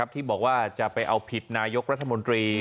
ที่บอกว่าจะไปเอาผิดนายกรัฐมนตรี